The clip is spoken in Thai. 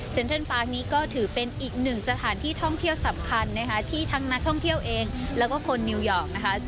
เทิร์นปาร์คนี้ก็ถือเป็นอีกหนึ่งสถานที่ท่องเที่ยวสำคัญนะคะที่ทั้งนักท่องเที่ยวเองแล้วก็คนนิวยอร์กนะคะ